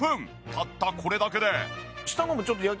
たったこれだけで。